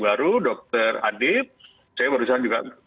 baru dokter adib saya barusan juga